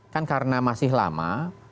kan karena masih lama